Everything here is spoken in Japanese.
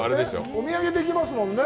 お土産にできますもんね。